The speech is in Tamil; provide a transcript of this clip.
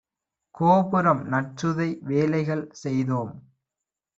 கோபுரம் நற்சுதை வேலைகள் செய்தோம்